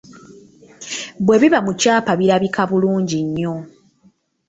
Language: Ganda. Bwe biba mu kyapa birabika bulungi nnyo.